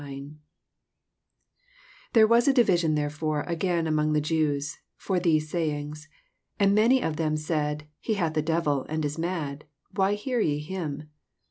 19 There was a division therefore again among the Jews for these sayings. 20 And many of them said, He hath a devil, and is mad; why hear ye him?